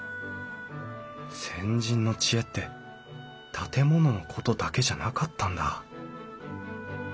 先人の知恵って建物のことだけじゃなかったんだ